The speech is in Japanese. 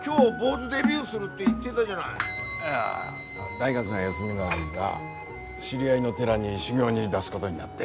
大学が休みの間知り合いの寺に修行に出すごどになって。